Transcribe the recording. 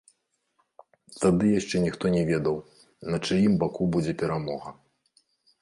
Тады яшчэ ніхто не ведаў, на чыім баку будзе перамога.